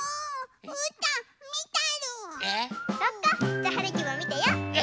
じゃはるきもみてよう！